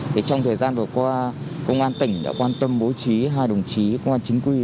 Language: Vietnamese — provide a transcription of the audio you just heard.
thì trong thời gian vừa qua công an tỉnh đã quan tâm bố trí hai đồng chí công an chính quy